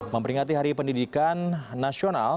memperingati hari pendidikan nasional